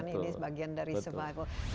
ini bagian dari survival